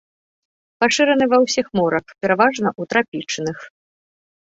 Пашыраны ва ўсіх морах, пераважна ў трапічных.